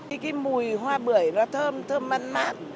thì cái mùi hoa bưởi nó thơm thơm ăn mát